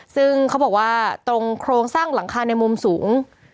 ซึ่งเขาบอกว่าตรงโครงสร้างหลังคาในมุมสูง